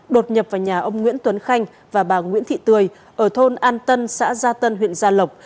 đột nhập vào nhà ông nguyễn tuấn khanh và bà nguyễn thị tươi ở thôn an tân xã gia tân huyện gia lộc